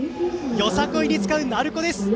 よさこいに使う鳴子です。